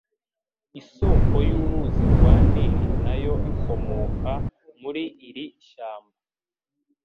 Isoko y'uruzi rwa Nili na yo ikomoka muri iri shyamba.